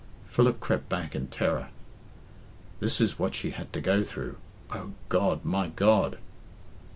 Philip crept back in terror. "This is what she had to go through! O God! My God!"